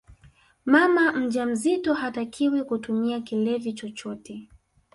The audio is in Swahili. mama mjamzito hatakiwi kutumia kilevi chochote